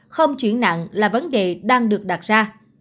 không chỉ nặng là vấn đề đang được đặt ra